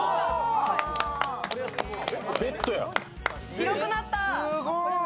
広くなった。